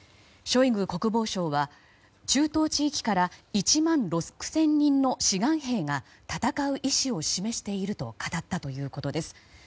ショイグ国防相は中東地域から１万６０００人の志願兵が戦う意思を示していると語ったということです。